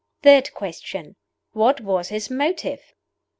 THIRD QUESTION WHAT WAS HIS MOTIVE?